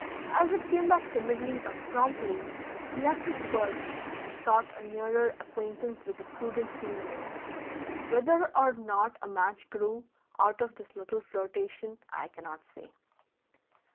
As it came back timidly but promptly, he left his perch and sought a nearer acquaintance with the prudent female. Whether or not a match grew out of this little flirtation I cannot say.